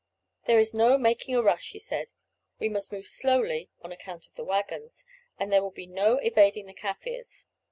_"] "There is no making a rush," he said; "we must move slowly on account of the waggons, and there will be no evading the Kaffirs.